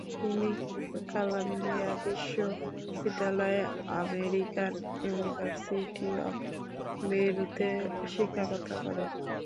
তিনি কলাম্বিয়া বিশ্ববিদ্যালয়ে American university of বৈরুতে শিক্ষকতা করেন।